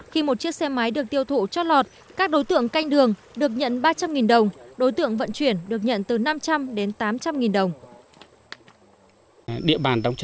khi một chiếc xe máy được tiêu thụ cho lọt các đối tượng canh đường được nhận ba trăm linh đồng đối tượng vận chuyển được nhận từ năm trăm linh đến tám trăm linh đồng